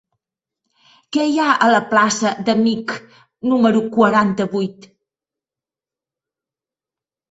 Què hi ha a la plaça d'Amich número quaranta-vuit?